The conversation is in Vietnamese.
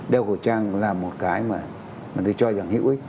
đeo khẩu trang cũng là một cái mà tôi cho rằng hữu ích